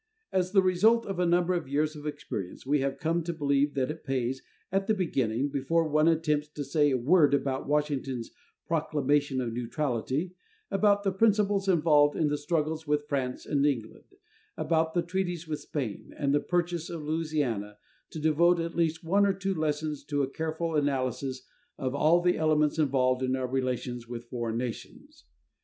As the result of a number of years of experience we have come to believe that it pays, at the beginning, before one attempts to say a word about Washington's Proclamation of Neutrality, about the principles involved in the struggles with France and England, about the treaties with Spain and the purchase of Louisiana, to devote at least one or two lessons to a careful analysis of all the elements involved in our relations with foreign nations.